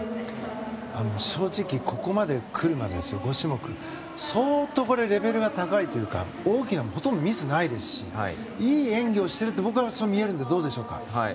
正直ここまで来るまで５種目相当レベルが高いというか大きなミスはほとんどないですしいい演技をしているって僕はそう見えるんですがどうでしょうか。